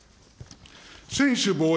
専守防衛